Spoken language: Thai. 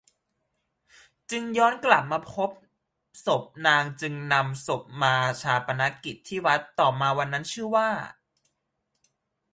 จึงย้อนกลับมาและพบศพนางจึงนำศพมาฌาปนกิจที่วัดต่อมาวันนั้นชื่อว่า